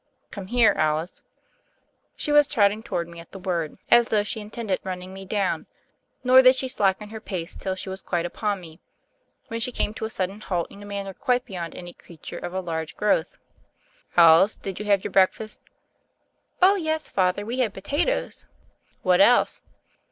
"Come here, Alice." She was trotting toward me at the word, as 14 THE FAIRY OF THE SNOWS though she intended running me down ; nor did she slacken her pace till she was quite upon me, when she came to a sudden halt in a manner quite beyond any creature of a large growth. "Alice, did you have your breakfast?" "Oh, yes. Father; we had potatoes." "What else?"